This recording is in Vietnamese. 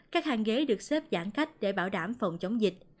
các hàng ghế được xếp giãn cách để bảo đảm phòng chống dịch